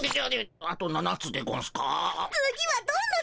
あああと７つでゴンスな。